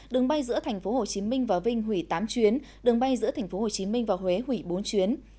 đường bay giữa thành phố hồ chí minh và vinh hủy tám chuyến đường bay giữa thành phố hồ chí minh và huế hủy bốn chuyến